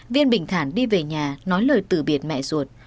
viên bình thản đi về nhà nói lời từ biệt mẹ ruột